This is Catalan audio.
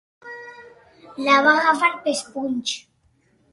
La va agafar pels punys.